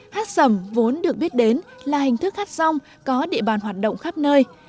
hát sầm vốn được biết đến là hình thức hát song có địa bàn hoạt động khắp nơi